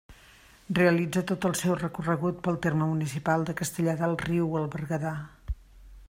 Realitza tot el seu recorregut pel terme municipal de Castellar del Riu, al Berguedà.